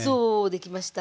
できました。